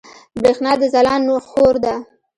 برېښنا د ځلاند خور ده